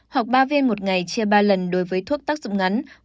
hoặc ba viên một ngày chia ba lần đối với thuốc tác dụng ngắn